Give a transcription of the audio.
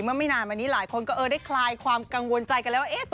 ไม่นานมานี้หลายคนก็เออได้คลายความกังวลใจกันแล้วว่า